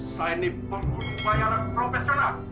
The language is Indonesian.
saya ini pembunuh bayar profesional